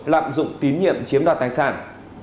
lạm dụng tín nhiệm chiếm đoạt tài sản